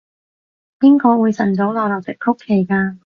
邊個會晨早流流食曲奇㗎？